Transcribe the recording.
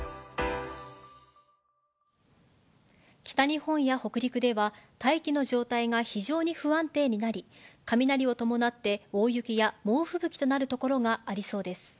北日本や北陸では、大気の状態が非常に不安定になり、雷を伴って、大雪や猛吹雪となる所がありそうです。